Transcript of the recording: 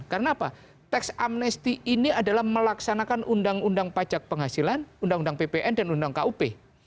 karena apa tax amnesty ini adalah melaksanakan undang undang pajak penghasilan undang undang ppn dan undang kup